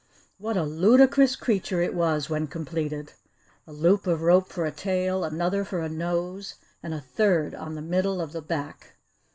What a ludicrous creature it was when completed! A loop of rope for a tail, another for a nose, and a third on the middle of the back.